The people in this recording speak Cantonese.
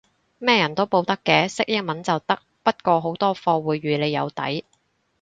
咩人都報得嘅，識英文就得，不過好多課會預你有底